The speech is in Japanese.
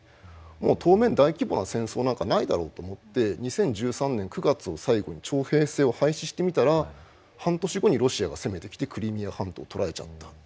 もう当面大規模な戦争なんかないだろうと思って２０１３年９月を最後に徴兵制を廃止してみたら半年後にロシアが攻めてきてクリミア半島をとられちゃった。